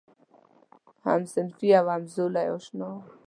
همصنفي او همزولی آشنا و.